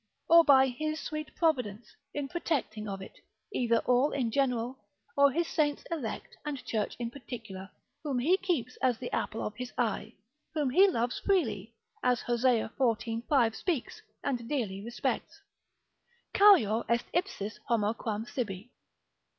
Or by His sweet Providence, in protecting of it; either all in general, or His saints elect and church in particular, whom He keeps as the apple of His eye, whom He loves freely, as Hosea xiv. 5. speaks, and dearly respects, Charior est ipsis homo quam sibi.